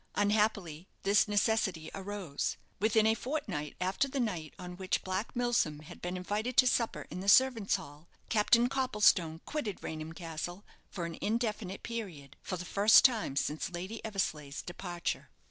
Unhappily this necessity arose. Within a fortnight after the night on which Black Milsom had been invited to supper in the servants' hall, Captain Copplestone quitted Raynham Castle for an indefinite period, for the first time since Lady Eversleigh's departure.